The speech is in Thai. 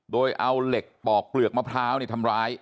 โดยเอาเหล็กปอกเปลือกมะพร้าวทำร้าย